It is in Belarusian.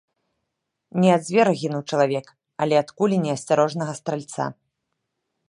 Не ад звера гінуў чалавек, але ад кулі неасцярожнага стральца.